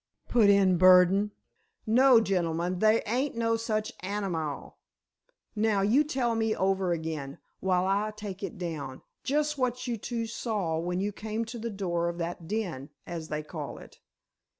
put in Burdon. "No, gentlemen, they ain't no such animile! Now, you tell me over again, while I take it down, just what you two saw when you came to the door of that den, as they call it."